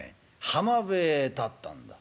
浜辺へ立ったんだ。